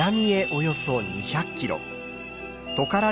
およそ２００キロトカラ